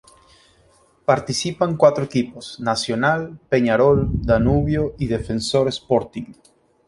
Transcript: Participan cuatro equipos: Nacional, Peñarol, Danubio y Defensor Sporting.